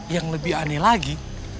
yang lebih aneh lagi